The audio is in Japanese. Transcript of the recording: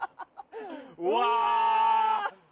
うわ！